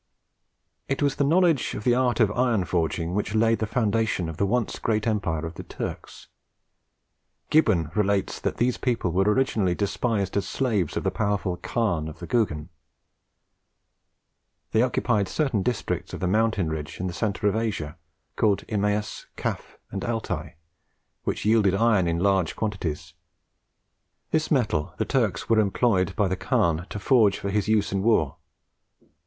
It was the knowledge of the art of iron forging which laid the foundation of the once great empire of the Turks. Gibbon relates that these people were originally the despised slaves of the powerful Khan of the Geougen. They occupied certain districts of the mountain ridge in the centre of Asia, called Imaus, Caf, and Altai, which yielded iron in large quantities. This metal the Turks were employed by the Khan to forge for his use in war.